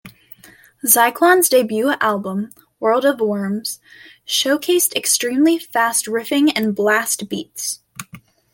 Zyklon's debut album, "World ov Worms", showcased extremely fast riffing and blast beats.